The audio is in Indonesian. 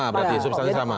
sama berarti subsanit sama